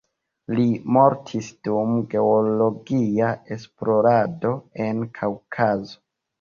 Li mortis dum geologia esplorado en Kaŭkazo.